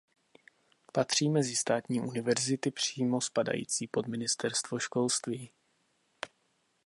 Patří mezi státní univerzity přímo spadající pod ministerstvo školství.